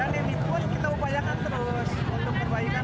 dan ini pun kita upayakan terus untuk perbaikan perbaikan pelajaran